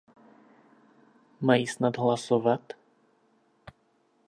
Mají snad hlasovat?